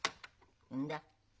んだ。